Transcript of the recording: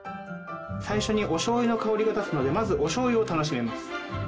最初におしょうゆの香りが立つのでまずおしょうゆを楽しみます。